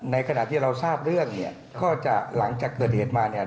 ขณะที่เราทราบเรื่องเนี่ยก็จะหลังจากเกิดเหตุมาเนี่ย